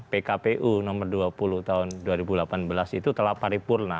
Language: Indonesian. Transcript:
pkpu nomor dua puluh tahun dua ribu delapan belas itu telah paripurna